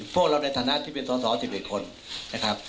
พวกเราในฐานะที่เป็นส่วนสองสิบเอ็ดคนนะครับ